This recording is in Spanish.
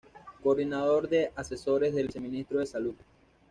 Coordinador de Asesores del Viceministro de Salud.